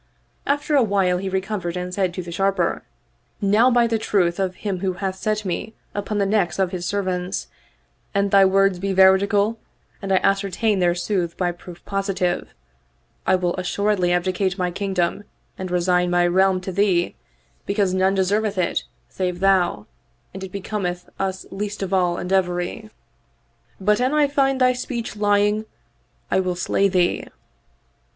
After a while he recovered and said to the Sharper, " Now by the truth of Him who hath set me upon the necks of His servants, and thy words be veridical and I ascertain their sooth by proof positive, I will assuredly abdicate my Kingdom and resign my realm to thee, because none deserveth it save thou and it becometh us least of all and every. But an I find thy speech lying I will slay thee.